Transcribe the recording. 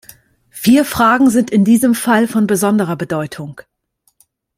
Vier Fragen sind in diesem Fall von besonderer Bedeutung.